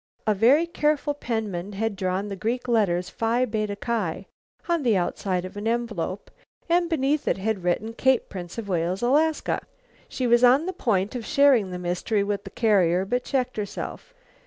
A very careful penman had drawn the Greek letters, Phi Beta Ki, on the outside of an envelope, and beneath it had written, "Cape Prince of Wales, Alaska." "Wha " She was on the point of sharing the mystery with the carrier, but checked herself.